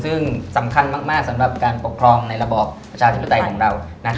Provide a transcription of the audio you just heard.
ซึ่งสำคัญมากสำหรับการปกครองในระบอบประชาธิปไตยของเรา